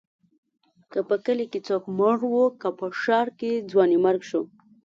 که په کلي کې څوک مړ و، که په ښار کې ځوانيمرګ شو.